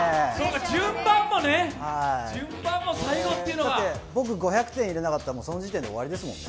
順番もね、最後っていうのが僕５００点入れなかったら、その時点で終わりですもんね。